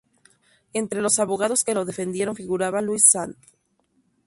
Entre los abogados que lo defendieron, figuraba Louis St.